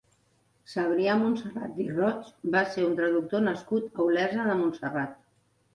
Cebrià Montserrat i Roig va ser un traductor nascut a Olesa de Montserrat.